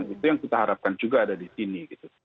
itu yang kita harapkan juga ada di sini gitu